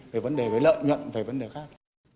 về vấn đề lợi nhận về vấn đề khác